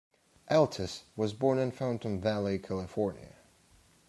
Altice was born in Fountain Valley, California.